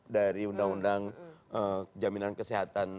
dari undang undang jaminan kesehatan